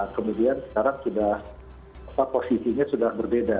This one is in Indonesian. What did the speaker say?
kemudian sekarang sudah posisinya sudah berbeda